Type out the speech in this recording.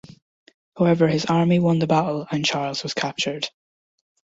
However, his army won the battle and Charles was captured.